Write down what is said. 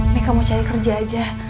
meka mau cari kerja aja